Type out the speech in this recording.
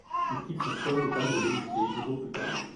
Il quitte son poste au palais de l'Élysée deux jours plus tard.